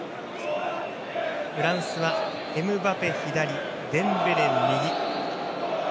フランスはエムバペが左デンベレが右。